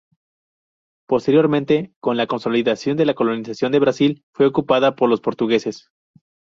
Posteriormente, con la consolidación de la colonización de Brasil, fue ocupada por los portugueses.